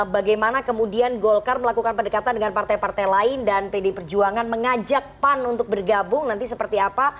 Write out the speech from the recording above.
bagaimana kemudian golkar melakukan pendekatan dengan partai partai lain dan pd perjuangan mengajak pan untuk bergabung nanti seperti apa